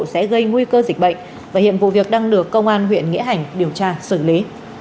sẽ gây nguy cơ dịch bệnh và hiện vụ việc đang được công an huyện nghĩa hành điều tra xử lý